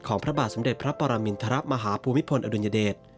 ของพระบาทสำเด็จพระปรมินทรัพย์มหาภูมิพลอดุลยเดช